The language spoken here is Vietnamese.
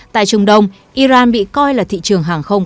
tại trung đông iran bị coi là thị trường hàng không